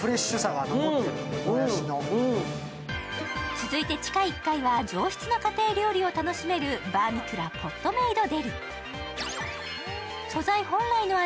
続いて地下１階は上質な家庭料理を楽しめるバーミキュラポットメイドデリ。